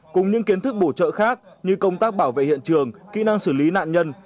cùng những kiến thức bổ trợ khác như công tác bảo vệ hiện trường kỹ năng xử lý nạn nhân